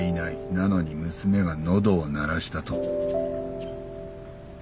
なのに娘が喉を鳴らしたと。